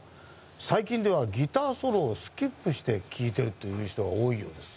最近ではギターソロをスキップして聴いてるという人が多いようです。